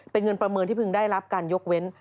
เป็นเงินประเมินที่เพิ่งได้รับการยกเว้น